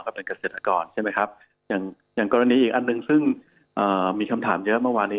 เป็นเกษตรกรใช่ไหมครับอย่างกรณีอีกอันหนึ่งซึ่งมีคำถามเยอะเมื่อวานนี้